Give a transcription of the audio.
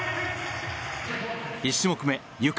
１種目め、ゆか。